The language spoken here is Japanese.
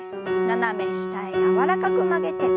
斜め下へ柔らかく曲げて。